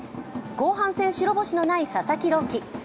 後半戦、白星のない佐々木朗希。